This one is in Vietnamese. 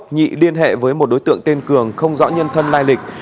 nhị liên hệ với một đối tượng tên cường không rõ nhân thân lai lịch